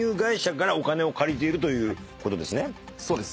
そうです。